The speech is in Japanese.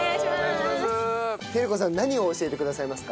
照子さん何を教えてくださいますか？